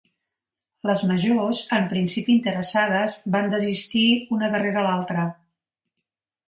Les majors, en principi interessades, van desistir una darrere l'altre.